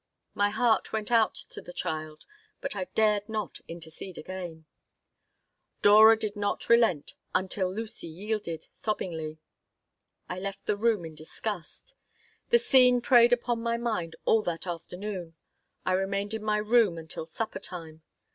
My heart went out to the child, but I dared not intercede again Dora did not relent until Lucy yielded, sobbingly I left the room in disgust. The scene preyed upon my mind all that afternoon. I remained in my room until supper time.